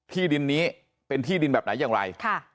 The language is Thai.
ที่ดินนี้เป็นที่ดินแบบไหนอย่างไร